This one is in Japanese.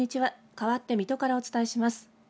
かわって水戸からお伝えします。